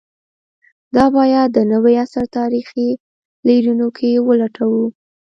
دا باید د نوي عصر تاریخي لورینو کې ولټوو.